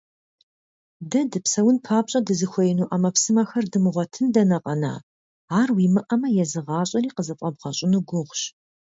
Дэ дыпсэун папщӀэ дызыхуеину Ӏэмэпсымэхэр дымыгъуэтын дэнэ къэна, ар уимыӀэмэ, езы гъащӀэри къызыфӀэбгъэщӀыну гугъущ.